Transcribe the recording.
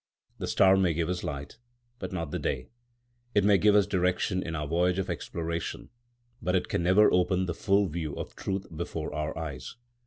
The star may give us light, but not the day; it may give us direction in our voyage of exploration, but it can never open the full view of truth before our eyes.